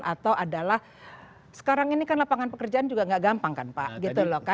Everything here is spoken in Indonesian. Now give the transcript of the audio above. atau adalah sekarang ini kan lapangan pekerjaan juga gak gampang kan pak